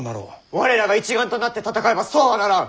我らが一丸となって戦えばそうはならん！